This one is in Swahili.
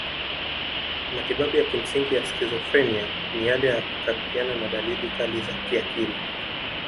Matibabu ya kimsingi ya skizofrenia ni yale ya kukabiliana na dalili kali za kiakili.